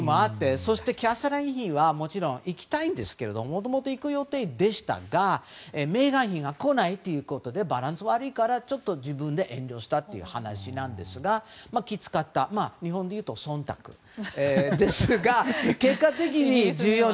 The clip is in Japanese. そしてキャサリン妃ももちろん行きたいですしもともと行く予定でしたがメーガン妃が来ないということでバランスが悪いから自分で遠慮したという話ですが気を使った日本でいうと忖度ですが結果的に１４人に。